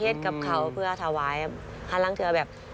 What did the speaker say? เห็ดกับเขาเพื่อถวายพลังเถียวแบบ